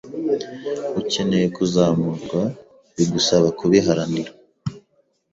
ukeneye kuzamurwa bigusaba kubiharanira